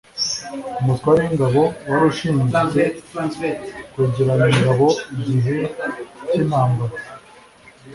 "umutware w'ingabo" wari ushinzwe kwegeranya ingabo igihe cy'intambara